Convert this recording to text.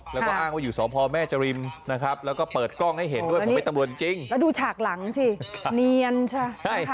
แล้วก็อ้างว่าอยู่สพแม่จริมนะครับแล้วก็เปิดกล้องให้เห็นด้วยผมเป็นตำรวจจริงแล้วดูฉากหลังสิเนียนใช่ค่ะ